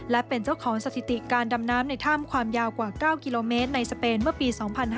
และเป็นเจ้าของสถิติการดำน้ำในถ้ำความยาวกว่า๙กิโลเมตรในสเปนเมื่อปี๒๕๕๙